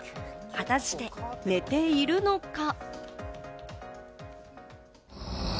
果たして、寝ているのか？